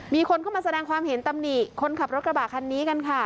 มีคนเข้ามาแสดงความเห็นตำหนิคนขับรถกระบะคันนี้กันค่ะ